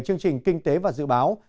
chương trình kinh tế và dự báo